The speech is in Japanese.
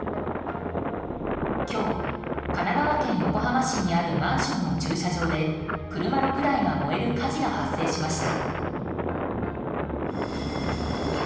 今日、神奈川県横浜市にあるマンションの駐車場で車６台が燃える火事が発生しました。